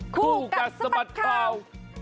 คู่กัดสะบัดข่าว